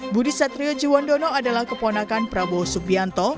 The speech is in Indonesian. budi satrio juwandono adalah keponakan prabowo subianto